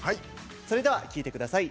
それでは聴いてください。